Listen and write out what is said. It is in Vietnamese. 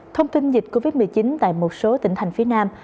thông tin dịch covid một mươi chín tại một số tỉnh thành phía nam